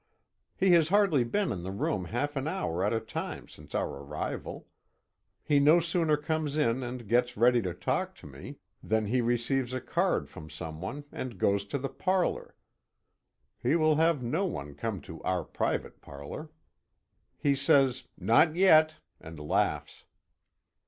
He has hardly been in the room half an hour at a time since our arrival. He no sooner comes in and gets ready to talk to me, than he receives a card from some one and goes to the parlor he will have no one come to our private parlor. He says "Not yet," and laughs.